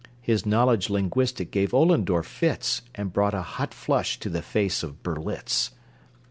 His knowledge linguistic gave Ollendorff fits, And brought a hot flush to the face of Berlitz!